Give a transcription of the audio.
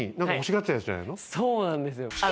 そうなんですよ。